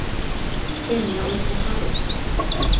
Tenda oikohápe.